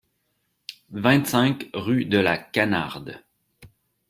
vingt-cinq rue de la Canarde